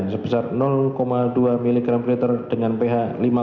sebesar dua mg per liter dengan ph lima lima